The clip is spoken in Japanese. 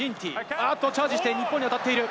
あっと、チャージして、日本に渡っている。